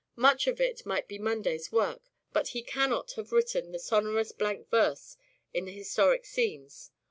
(Much of it) might be Munday's work (but) he cannot have written the sonorous blank verse of the historic scenes